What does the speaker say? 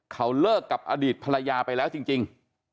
เขาเลิกกับอดีตภรรยาไปแล้วจริง